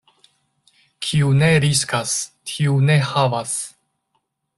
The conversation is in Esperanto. Kiu ne riskas, tiu ne havas.